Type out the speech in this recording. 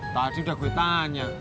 tadi udah gue tanya